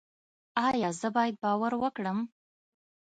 ایا زه باید باور وکړم؟